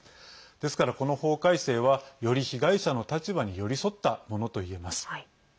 ですから、この法改正はより被害者の立場に寄り添ったものといえます。